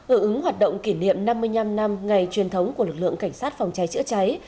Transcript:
ở ứng hoạt động kỷ niệm năm mươi năm năm ngày truyền thống của lực lượng cảnh sát phòng cháy chữa cháy